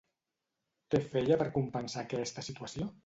Què feia per compensar aquesta situació?